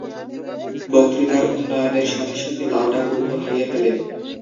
বক্তৃতার উন্নয়নের সাথে সাথে লাউডা গুরুত্ব হারিয়ে ফেলে।